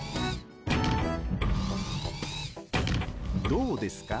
どうですか？